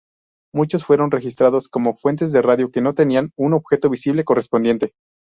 Muchos fueron registrados como fuentes de radio que no tenía un objeto visible correspondiente.